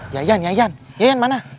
yayan yayan yayan mana